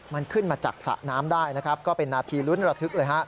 มันขึ้นมาจากสระน้ำได้นะครับก็เป็นนาทีลุ้นระทึกเลยฮะ